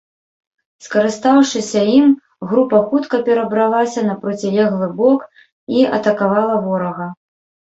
Скарыстаўшыся ім, група хутка перабралася на процілеглы бок і атакавала ворага.